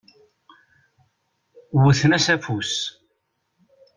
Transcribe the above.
Wwten-as afus.